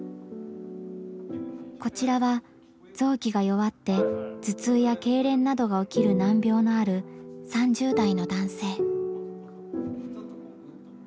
こちらは臓器が弱って頭痛やけいれんなどが起きる難病のある３０代の男性。